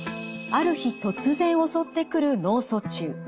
ある日突然襲ってくる脳卒中。